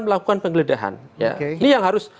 melakukan penggeledahan ini yang harus